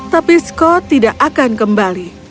tapi sco tidak akan kembali